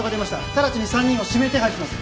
直ちに３人を指名手配します。